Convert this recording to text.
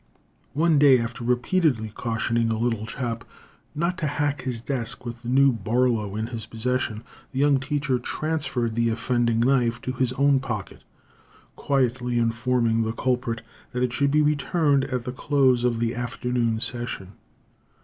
One day, after repeatedly cautioning a little chap not to hack his desk with the new Barlow in his possession, the young teacher transferred the offending knife to his own pocket, quietly informing the culprit that it should be returned at the close of the afternoon session.